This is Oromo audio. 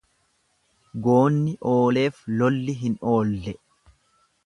Goonni ooleef lolli hin oolle.